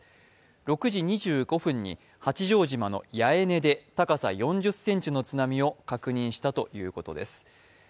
６時２５分に八丈島の八重根で津波を観測したということです。